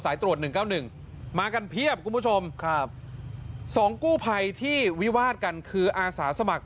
สายตรวจ๑๙๑มากันเภียบคุณผู้ชมสองกู้ภัยที่วิวาดกันคืออาสาสมัคร